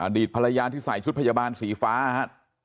ดีตภรรยาที่ใส่ชุดพยาบาลสีฟ้าครับ